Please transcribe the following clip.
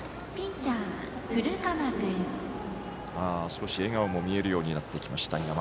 少し笑顔も見えるようになってきました。